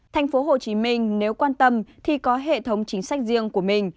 thành phố hồ chí minh nếu quan tâm thì có hệ thống chính sách riêng của mình